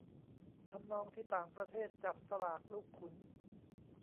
ทำนองที่ต่างประเทศจับสลากลูกขุน